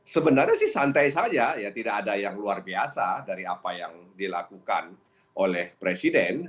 sebenarnya sih santai saja ya tidak ada yang luar biasa dari apa yang dilakukan oleh presiden